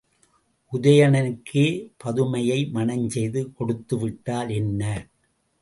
உதயணனுக்கே பதுமையை மணஞ்செய்து கொடுத்துவிட்டால் என்ன?